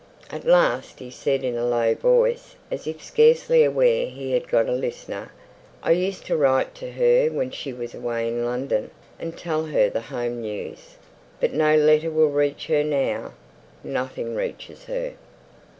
At last he said, in a low voice, as if scarcely aware he had got a listener, "I used to write to her when she was away in London, and tell her the home news. But no letter will reach her now! Nothing reaches her!"